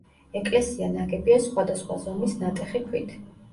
ეკლესია ნაგებია სხვადასხვა ზომის ნატეხი ქვით.